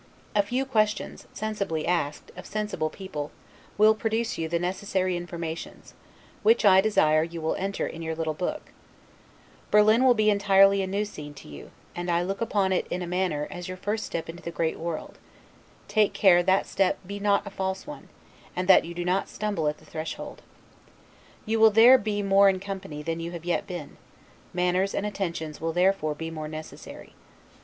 A few questions, sensibly asked, of sensible people, will produce you the necessary informations; which I desire you will enter in your little book, Berlin will be entirely a new scene to you, and I look upon it, in a manner, as your first step into the great world; take care that step be not a false one, and that you do not stumble at the threshold. You will there be in more company than you have yet been; manners and attentions will therefore be more necessary.